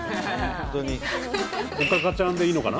おかかちゃんでいいのかな？